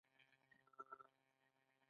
هغوی یوځای د محبوب منظر له لارې سفر پیل کړ.